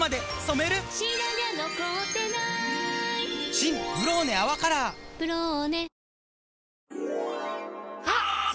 新「ブローネ泡カラー」「ブローネ」